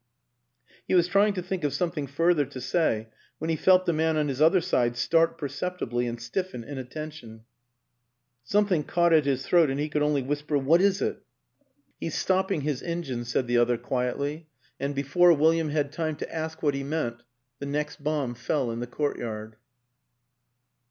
He was trying to think of something further to say when he felt the man on his other side start perceptibly and stiffen in attention. Something caught at his throat and he could only whisper, " What is it? " WILLIAM AN ENGLISHMAN 275 " He's stopping his engine," said the other quietly; and before William had time to ask what he meant the next bomb fell in the courtyard.